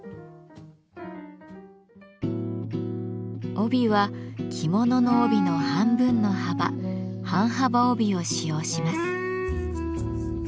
帯は着物の帯の半分の幅「半幅帯」を使用します。